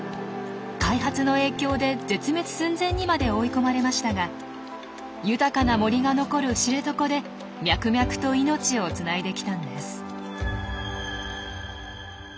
開発の影響で絶滅寸前にまで追い込まれましたが豊かな森が残る知床で脈々と命をつないできたんです。